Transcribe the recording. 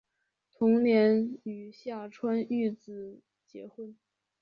同年与下川玉子结婚。